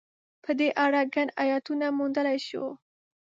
په دې اړه ګڼ ایتونه موندلای شو.